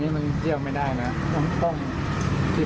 มีกลิ่นเยี่ยวไหมครับตรงนี้